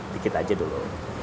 dikit aja dulu